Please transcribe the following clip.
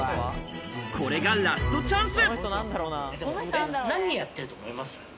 これがラストチャンス。